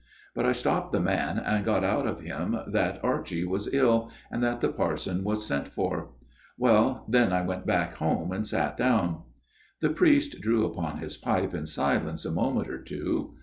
But I stopped the man, and got out of him that Archie was ill ; and that the parson was sent for. " Well, then I went back home and sat down." The priest drew upon his pipe in silence a moment or two.